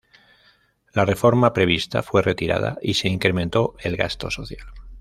La reforma prevista fue retirada y se incrementó el gasto social.